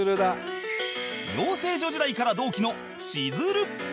養成所時代から同期のしずる